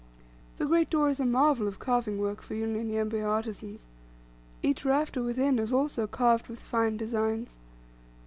The great door is a marvel of carving work for Unyanyembe artisans. Each rafter within is also carved with fine designs.